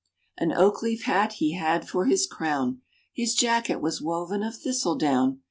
An oak leaf hat he had for his crown ; His jacket was woven of thistle down.